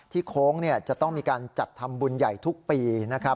โค้งจะต้องมีการจัดทำบุญใหญ่ทุกปีนะครับ